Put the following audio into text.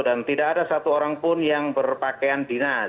dan tidak ada satu orang pun yang berpakaian dinas